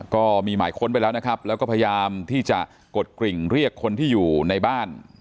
ก็มีหมายค้นไปแล้วนะครับแล้วก็พยายามที่จะกดกริ่งเรียกคนที่อยู่ในบ้าน